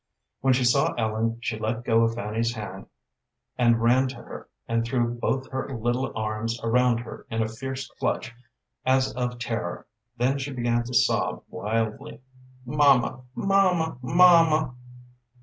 When she saw Ellen she let go of Fanny's hand and ran to her and threw both her little arms around her in a fierce clutch as of terror, then she began to sob wildly, "Mamma, mamma, mamma!"